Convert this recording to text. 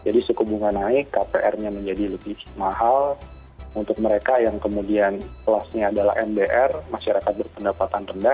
jadi suku bunga naik kpr nya menjadi lebih mahal untuk mereka yang kemudian kelasnya adalah mdr masyarakat berpendapatan rendah mungkin akan terdampak